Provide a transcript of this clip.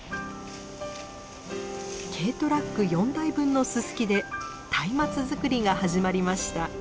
軽トラック４台分のススキで松明づくりが始まりました。